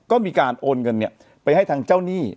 ก็มีการโอนเงินไปให้ทางเจ้าหนี้